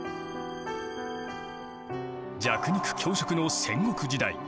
弱肉強食の戦国時代。